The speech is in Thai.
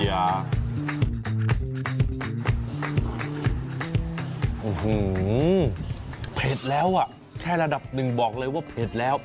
โอ้โหเผ็ดแล้วอ่ะใช่ระดับหนึ่งบอกเลยว่าเผ็ดแล้ว